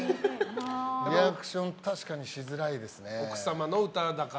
リアクション確かにしづらいですね。